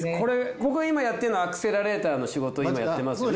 僕今やってるのはアクセラレーターの仕事今やってますよね。